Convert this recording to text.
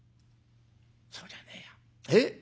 そうじゃねえやええ？